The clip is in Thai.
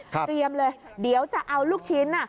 เลยเดี๋ยวจะเอาลูกชิ้น